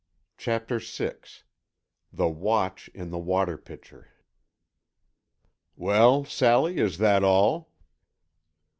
CHAPTER VI THE WATCH IN THE WATER PITCHER "Well, Sally, is that all?"